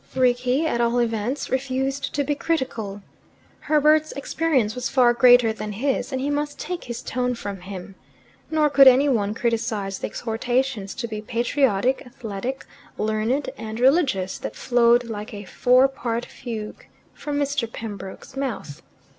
Rickie, at all events, refused to be critical: Herbert's experience was far greater than his, and he must take his tone from him. Nor could any one criticize the exhortations to be patriotic, athletic, learned, and religious, that flowed like a four part fugue from Mr. Pembroke's mouth.